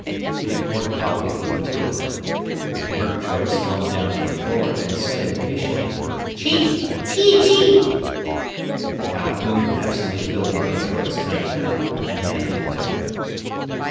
He poured coffee for the two of them. Murgatroyd swung down to the floor and said, impatiently, "Chee! Chee! Chee!" Calhoun absently filled Murgatroyd's tiny cup and handed it to him.